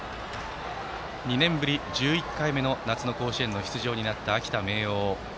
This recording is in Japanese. ２年ぶり１１回目の夏の甲子園出場となった秋田・明桜。